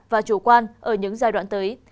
và chủ quan ở những giai đoạn tới